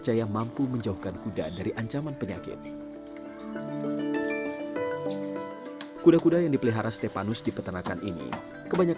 sumba timur menjadi wilayah dengan populasi kuda terbanyak